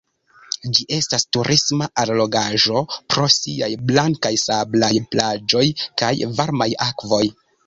Ĝi estas turisma allogaĵo pro siaj blankaj sablaj plaĝoj kaj varmaj akvoj.